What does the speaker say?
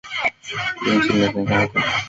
Densi la sakati.